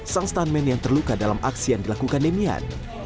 sang stuntman yang terluka dalam aksi yang dilakukan demian